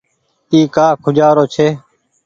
اي ڪآ کوجآرو ڇي۔